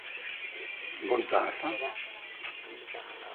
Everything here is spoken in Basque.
Goiz da, ezta?